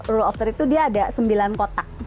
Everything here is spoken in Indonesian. jadi di teori rule of third itu dia ada sembilan kotak